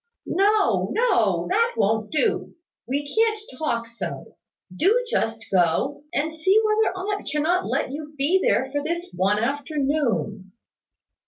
"No, no; that won't do. We can't talk so. Do just go, and see whether aunt cannot let you be there for this one afternoon."